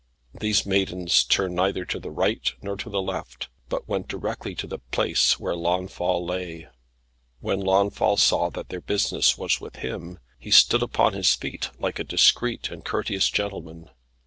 These maidens turned neither to the right hand nor to the left, but went directly to the place where Launfal lay. When Launfal saw that their business was with him, he stood upon his feet, like a discreet and courteous gentleman.